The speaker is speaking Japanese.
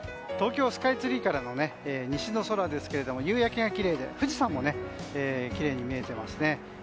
東京スカイツリーからの西の空ですが夕焼けがきれいで富士山もきれいに見えていますね。